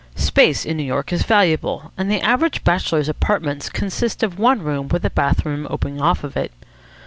Space in New York is valuable, and the average bachelor's apartments consist of one room with a bathroom opening off it.